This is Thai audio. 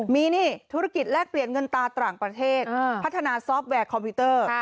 มีนี่ธุรกิจแลกเปลี่ยนเงินตาต่างประเทศพัฒนาซอฟต์แวร์คอมพิวเตอร์